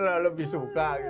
karena lebih suka gitu